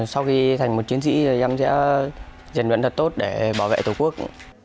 sau khi thành một chiến sĩ em sẽ rèn luyện thật tốt để bảo vệ tổ quốc